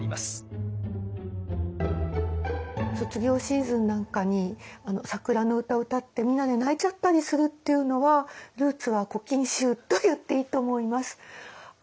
卒業シーズンなんかに桜の歌歌ってみんなで泣いちゃったりするっていうのはルーツは「古今集」といっていいと思います。